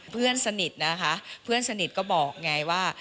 เพื่อนสนิทนะคะเพื่อนสนิทก็บอกไงว่า